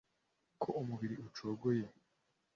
Ko umubiri ucogoye